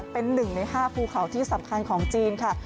เป็น๑ใน๕ภูเขาที่สำคัญของจีนค่ะ